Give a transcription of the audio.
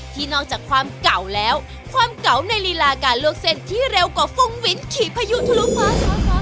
นอกจากความเก่าแล้วความเก่าในลีลาการลวกเส้นที่เร็วกว่าฟุ้งวินขี่พายุทะลุฟ้า